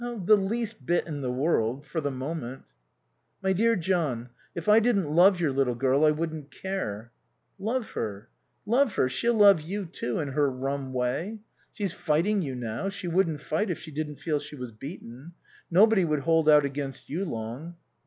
"The least bit in the world. For the moment." "My dear John, if I didn't love your little girl I wouldn't care." "Love her. Love her. She'll love you too, in her rum way. She's fighting you now. She wouldn't fight if she didn't feel she was beaten. Nobody could hold out against you long."